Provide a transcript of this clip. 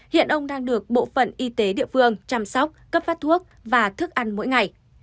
hiện ông đang được bộ phận y tế địa phương chăm sóc cấp phát thuốc và thức ăn mỗi ngày